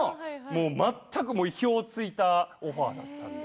全く意表をついたオファーだったんです。